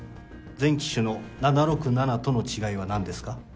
前機種の７６７との違いはなんですか？